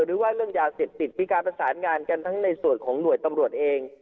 เรื่องยาเสพติดมีการประสานงานกันทั้งในส่วนของหน่วยตำรวจเอง